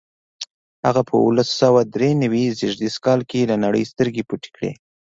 هغه په اوولس سوه درې نوي زېږدیز کال له نړۍ سترګې پټې کړې.